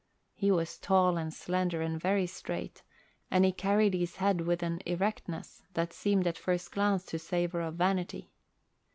He was tall and slender and very straight, and he carried his head with an erectness that seemed at first glance to savour of vanity.